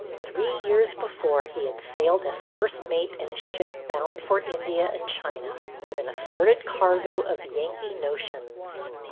Three years before, he had sailed as first mate in a ship bound for India and China, with an assorted cargo of " Yankee notions."